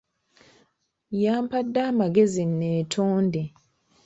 Yampadde amagezi neetonde.